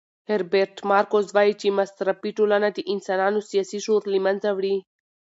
هیربرټ مارکوز وایي چې مصرفي ټولنه د انسانانو سیاسي شعور له منځه وړي.